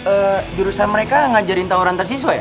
eh jurusan mereka ngajarin tau orang tersiswa ya